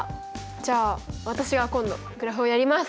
じゃあ私が今度グラフをやります！